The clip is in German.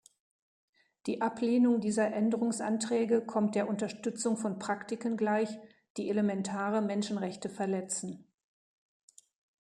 Die Ablehnung dieser Änderungsanträge kommt der Unterstützung von Praktiken gleich, die elementare Menschenrechte verletzen.